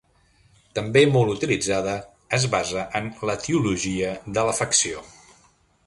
També molt utilitzada, es basa en l'etiologia de l'afecció.